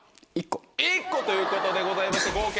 １個ということでございまして合計。